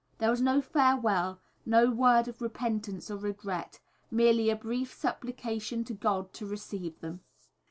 There was no farewell, no word of repentance or regret, merely a brief supplication to God to receive them.